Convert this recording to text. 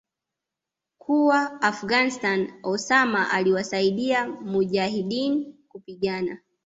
kuwa Afghanistan Osama aliwasaidia mujahideen kupigana